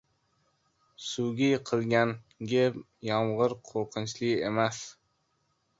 • Suvga yiqilganga yomg‘ir qo‘rqinchli emas.